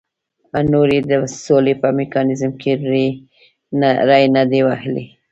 نور یې د سولې په میکانیزم کې ری نه دی وهلی.